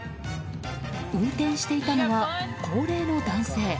運転していたのは高齢の男性。